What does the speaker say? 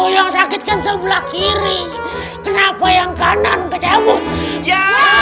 yang sakit sebelah kiri kenapa yang kanan kecap ya